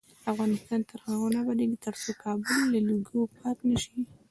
افغانستان تر هغو نه ابادیږي، ترڅو کابل له لوګیو پاک نشي.